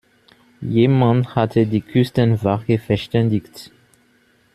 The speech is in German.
Jemand hatte die Küstenwache verständigt.